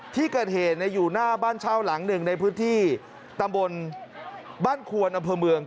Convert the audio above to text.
ที่เกิดเหตุอยู่หน้าบ้านเช่าหลังหนึ่งในพื้นที่ตำบลบ้านควนอำเภอเมือง